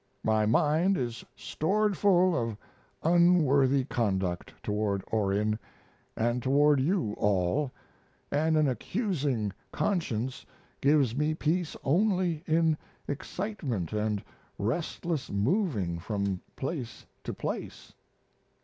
My mind is stored full of unworthy conduct toward Orion and toward you all, and an accusing conscience gives me peace only in excitement and restless moving from place to place.